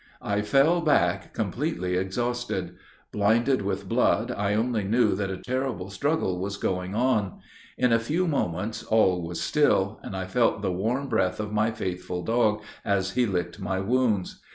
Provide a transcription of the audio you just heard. "I fell back completely exhausted. Blinded with blood, I only knew that a terrible struggle was going on. In a few moments, all was still, and I felt the warm breath of my faithful dog, as he licked my wounds.